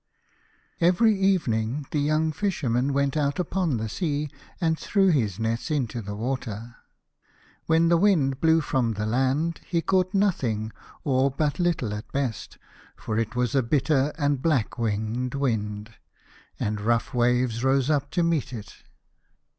blew little Every evening the young Fisherman went out upon the sea, and threw his nets into the water. When the wind from the land he caught nothing, or but at^best, for it was a bitter and black wind, and rough waves rose up to meet it.